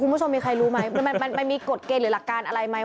คุณผู้ชมมีใครรู้ไหมมันมีกฎเกณฑ์หรือหลักการอะไรไหม